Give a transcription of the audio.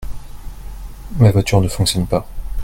Ma voiture ne fonctionne pas.